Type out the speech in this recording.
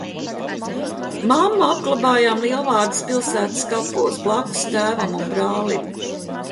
Mammu apglabājam Lielvārdes pilsētas kapos blakus tēvam un brālim.